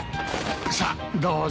さっどうぞ。